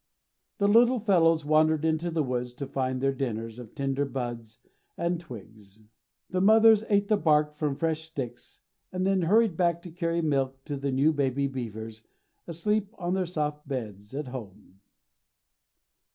The little fellows wandered into the woods to find their dinners of tender buds and twigs. The mothers ate the bark from fresh sticks, and then hurried back to carry milk to the new baby beavers, asleep on their soft beds at home.